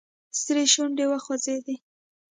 سړي شونډې وخوځېدې.